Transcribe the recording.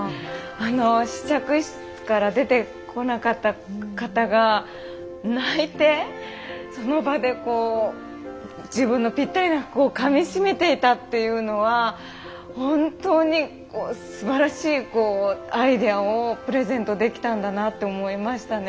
あの試着室から出てこなかった方が泣いてその場でこう自分のぴったりな服をかみしめていたっていうのは本当にすばらしいアイデアをプレゼントできたんだなって思いましたね。